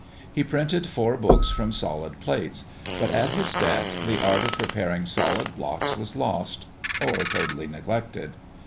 He printed four books from solid plates; but at his death the art of preparing solid blocks was lost, or wholly neglected.